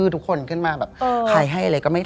ทำไมให้กิน